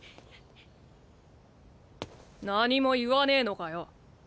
何も言わねえのかよ？